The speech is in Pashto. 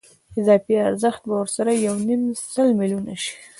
اضافي ارزښت به ورسره یو نیم سل میلیونه شي